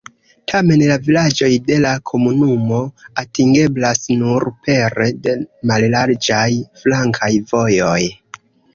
Tamen la vilaĝoj de la komunumo atingeblas nur pere de mallarĝaj flankaj vojoj.